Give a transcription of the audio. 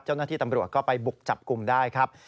เจ้าหน้าที่ตำรวจก็ไปบุกจับกลุ่มได้ครับ